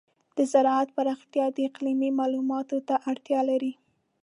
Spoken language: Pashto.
د زراعت پراختیا د اقلیمي معلوماتو ته اړتیا لري.